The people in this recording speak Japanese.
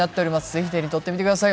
ぜひ手に取ってみてください